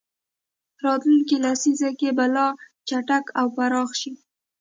راتلونکې لسیزه کې به لا چټک او پراخ شي.